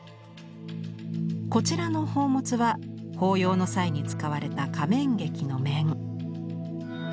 こちらの宝物は法要の際に使われた仮面劇の面。